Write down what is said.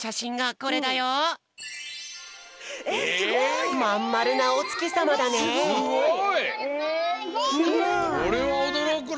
これはおどろくな。